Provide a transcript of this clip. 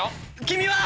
君は！